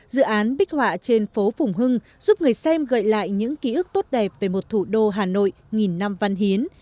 dự án bích họa trên phố phùng hưng giúp người xem gợi lại những ký ức tốt đẹp về một thủ đô hà nội nghìn năm văn hiến